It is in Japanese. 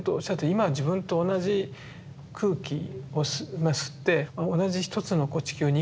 今自分と同じ空気を吸って同じ一つの地球に生きてる。